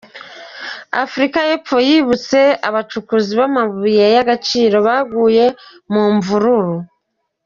Afurika y’Epfo yibutse abacukuzi b’amabuye y’agaciro baguye mu mvururu